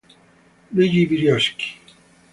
Luigi Brioschi